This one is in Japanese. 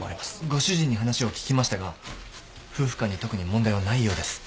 ご主人に話を聞きましたが夫婦間に特に問題はないようです。